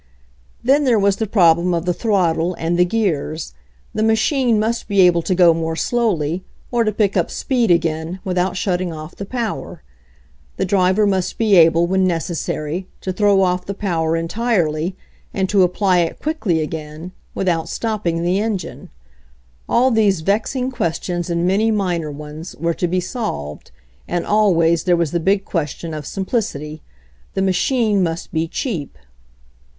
Then there was the problem of the throttle, and the gears. The machine must be able to go more slowly, or to pick up speed again, without shutting off the power. The driver must be able, when necessary, to throw off the power entirely, and to apply it quickly again, without stopping the engine. All these vexing questions, and many minor ones, were to be solved, and always there was the big question of simplicity. The machine must be cheap.